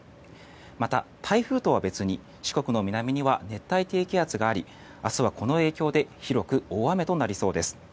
また、台風とは別に四国の南には熱帯低気圧があり明日はこの影響で広く大雨となりそうです。